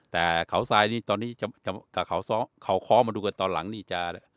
แต่เขาทรายนี่ตอนนี้กับเขาค้อมาดูกันตอนหลังนี่จะ